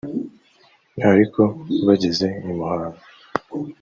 ariko bageze i Muhanga